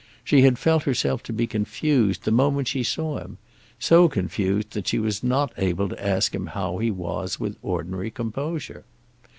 She had felt herself to be confused the moment she saw him, so confused that she was not able to ask him how he was with ordinary composure.